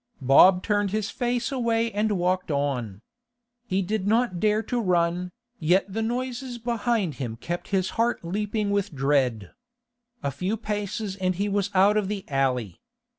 Bob turned his face away and walked on. He did not dare to run, yet the noises behind him kept his heart leaping with dread. A few paces and he was out of the alley.